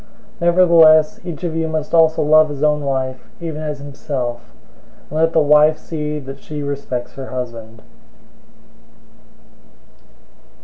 005:033 Nevertheless each of you must also love his own wife even as himself; and let the wife see that she respects her husband.